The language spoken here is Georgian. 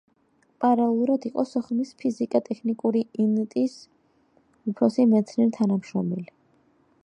პარალელურად იყო სოხუმის ფიზიკა-ტექნიკური ინტის უფროსი მეცნიერ თანამშრომელი.